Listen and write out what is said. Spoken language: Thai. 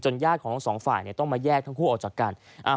ญาติของทั้งสองฝ่ายต้องมาแยกทั้งคู่ออกจากกัน